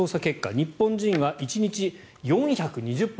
日本人は１日４２０分